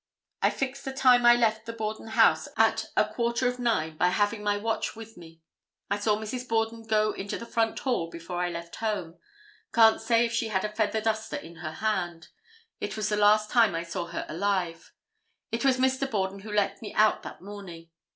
I fix the time I left the Borden house at a quarter of 9 by having my watch with me. I saw Mrs. Borden go into the front hall before I left home. Can't say if she had a feather duster in her hand. It was the last time I saw her alive. It was Mr. Borden who let me out that morning.